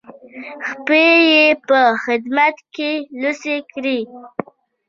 پښې یې په خدمت کې لڅې کړې.